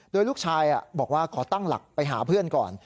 โดยลูกชายบอกว่าขอตั้งหลักไปหาเพื่อนก่อน